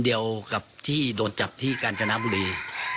เดือนที่โดนจับที่กาญจน้ำบูรี